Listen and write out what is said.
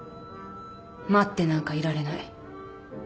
待ってなんかいられない。